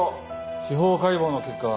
司法解剖の結果は？